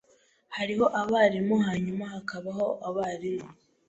Hariho abarimu hanyuma hakabaho abarimu.